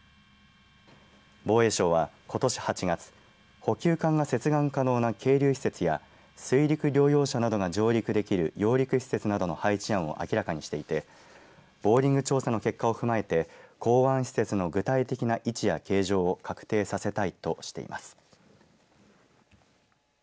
防衛省はことし８月補給艦が接岸可能な係留施設や水陸両用車などが上陸できる揚陸施設などの配置案を明らかにしていてボーリング調査の結果を踏まえて港湾施設の具体的な位置や形状を確定させたいとしています。